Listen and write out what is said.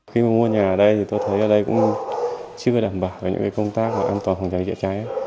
khi mua nhà ở đây thì tôi thấy ở đây cũng chưa đảm bảo về những công tác an toàn phòng cháy chữa cháy